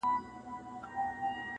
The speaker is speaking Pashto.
راته ايښي يې گولۍ دي انسانانو؛